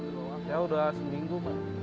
saya udah seminggu mbak